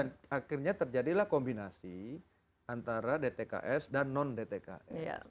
nah akhirnya terjadilah kombinasi antara dtks dan non dtks